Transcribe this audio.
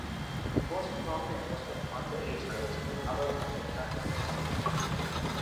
Most prominent was that of underage girls being allowed into the club every weekend.